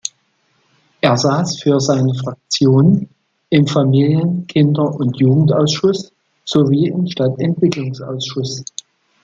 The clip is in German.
Er saß für seine Fraktion im Familien-, Kinder- und Jugendausschuss sowie im Stadtentwicklungsausschuss.